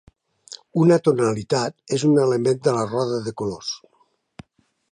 Una tonalitat és un element de la roda de colors.